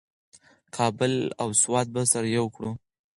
کابل او سوات به سره یو کړو.